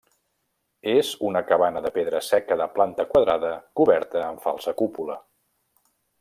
És una cabana de pedra seca de planta quadrada coberta amb falsa cúpula.